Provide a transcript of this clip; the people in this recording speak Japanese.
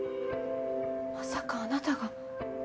まさかあなたが。